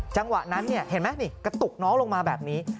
จังหวะนั้นเนี่ยเห็นไหมนี่กระตุกน้องลงมาแบบนี้